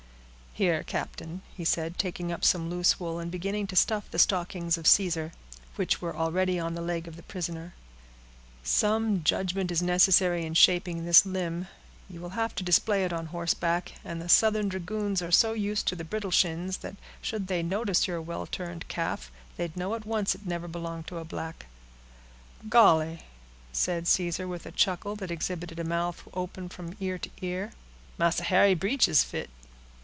"Here, captain," he said, taking up some loose wool, and beginning to stuff the stockings of Caesar, which were already on the leg of the prisoner; "some judgment is necessary in shaping this limb. You will have to display it on horseback; and the Southern dragoons are so used to the brittle shins, that should they notice your well turned calf, they'd know at once it never belonged to a black." "Golly!" said Caesar, with a chuckle, that exhibited a mouth open from ear to ear, "Massa Harry breeches fit."